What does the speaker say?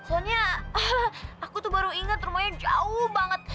soalnya aku tuh baru ingat rumahnya jauh banget